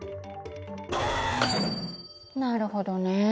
なるほどね。